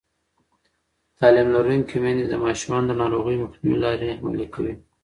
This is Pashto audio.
تعلیم لرونکې میندې د ماشومانو د ناروغۍ مخنیوي لارې عملي کوي.